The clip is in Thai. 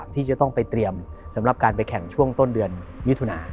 ที่จะต้องไปเตรียมสำหรับการไปแข่งช่วงต้นเดือนมิถุนา